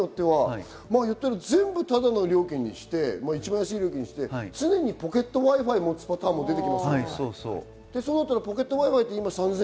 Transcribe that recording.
全部ただの料金にして一番安い料金で常にポケットＷｉ−Ｆｉを持つパターンも出てきますよね。